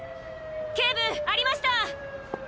警部ありました！